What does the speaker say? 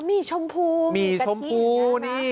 อ่อมีชมพูมีกะทิ